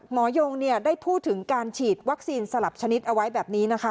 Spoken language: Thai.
ยงได้พูดถึงการฉีดวัคซีนสลับชนิดเอาไว้แบบนี้นะคะ